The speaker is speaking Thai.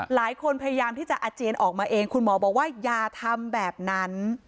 พยายามที่จะอาเจียนออกมาเองคุณหมอบอกว่าอย่าทำแบบนั้น